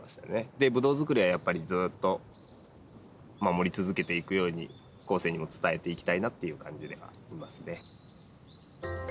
でブドウ作りはずっと守り続けていくように後世にも伝えていきたいなっていう感じではありますね。